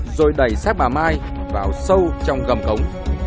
rồi đẩy xe bà mai vào sâu trong gầm cống